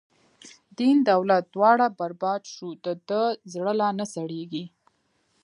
دین دولت دواړه بر باد شو، د ده زړه لا نه سړیږی